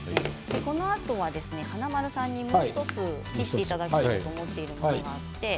このあとは華丸さんにもう１つやっていただきたいことがあります。